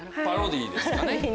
パロディーですかね。